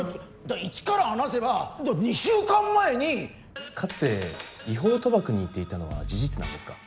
一から話せば２週間前にかつて違法賭博に行っていたのは事実なんですか？